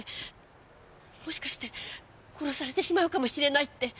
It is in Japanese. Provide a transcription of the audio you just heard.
もしかして殺されてしまうかもしれないって。